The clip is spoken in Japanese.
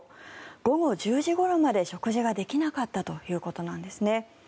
午後１０時ごろまで食事ができなかったということなんですね。